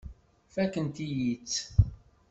Fakkent-iyi-tt.